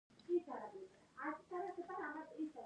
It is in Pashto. د لمریزې انرژۍ ظرفیت څومره دی؟